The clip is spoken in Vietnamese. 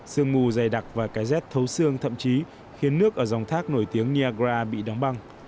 sương mù dày đặc và cái z thấu sương thậm chí khiến nước ở dòng thác nổi tiếng niagara bị đóng băng